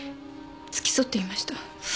付き添っていました。